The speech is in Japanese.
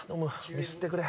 ミスってくれ。